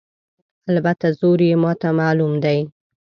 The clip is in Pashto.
البته زور یې ماته معلوم دی.